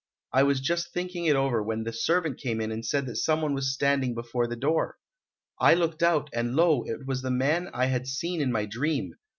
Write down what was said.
I was just thinking it over when the servant came in and said that some one was standing before the door. I looked out, and lo, it was the man I had seen in my dream!